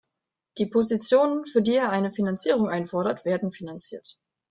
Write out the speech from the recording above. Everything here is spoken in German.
Die Positionen, für die er eine Finanzierung einfordert, werden finanziert.